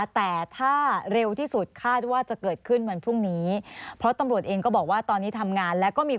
แต่ถ้าเร็วที่สุดคาดว่าจะเกิดขึ้นวันพรุ่งนี้